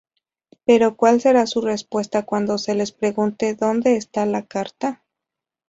Pero, ¿cual será su respuesta cuando se les pregunte dónde está la carta?".